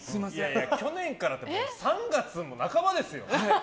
去年からって３月も半ばですよ。